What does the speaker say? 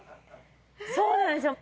そうなんですよ。